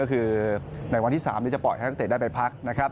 ก็คือในวันที่๓จะปล่อยให้นักเตะได้ไปพักนะครับ